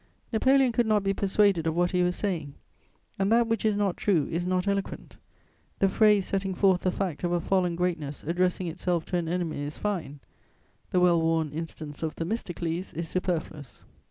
Napoleon could not be persuaded of what he was saying; and that which is not true is not eloquent. The phrase setting forth the fact of a fallen greatness addressing itself to an enemy is fine; the well worn instance of Themistocles is superfluous.